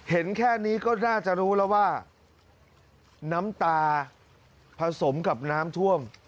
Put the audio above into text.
เห็นแค่นี้ก็น่าจะรู้แล้วว่าน้ำตาผสมกับน้ำท่วม